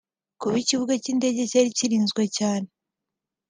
Kuba ikibuga cy’indege cyari kirinzwe cyane